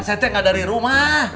saya teh gak dari rumah